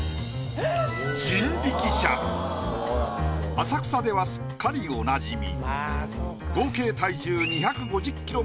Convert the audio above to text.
浅草ではすっかりおなじみ。